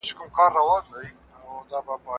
اوس پاو بالا لس بجې دي